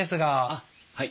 あっはい。